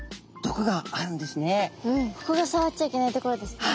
ここがさわっちゃいけないところですね。